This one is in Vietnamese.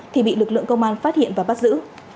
thì bị lực lượng công an phát hiện và bắt giữ